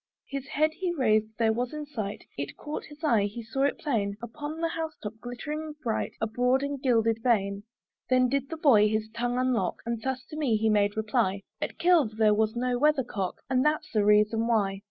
His head he raised there was in sight, It caught his eye, he saw it plain Upon the house top, glittering bright, A broad and gilded vane. Then did the boy his tongue unlock, And thus to me he made reply; "At Kilve there was no weather cock, "And that's the reason why."